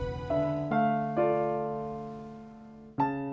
iya ya tak usah